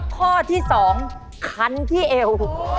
ข้อที่๒คันที่เอว